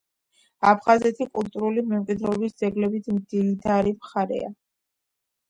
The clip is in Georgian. აფხაზეთი კულტურული მემკვიდრეობის ძეგლებით მდიდარი მხარეა.